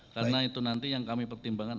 karena itu nanti yang kami pertimbangkan